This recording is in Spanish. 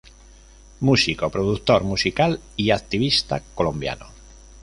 Músico, productor musical y activista colombiano.